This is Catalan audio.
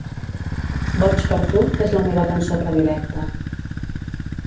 "Boig per tu" és la meva cançó predilecta.